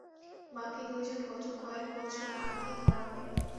বাকি দুইজন গত কয়েক বছর আগে ধরা পরে।